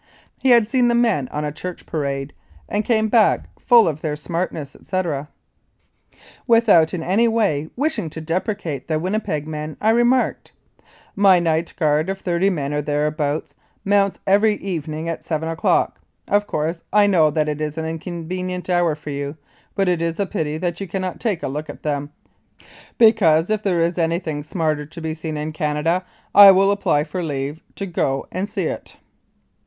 He had seen the men on a church parade, and came back full of their smartness, etc. Without in any way wishing to depreciate the Winnipeg men, I remarked, "My night guard of thirty men, or thereabouts, mounts every evening at seven o'clock. Of course, I know that that is an inconvenient hour for you, but it is a pity that you cannot take a look at them, because, if there is anything smarter to be seen in Canada I will apply for leave to go and see it."